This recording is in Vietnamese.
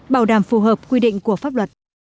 bảo đảm phù hợp quy định của pháp luật